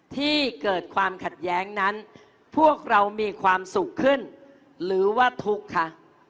ที่เกิดความขัดแย้งนั้นพวกเรามีความสุขขึ้นหรือว่าทุกข์คะ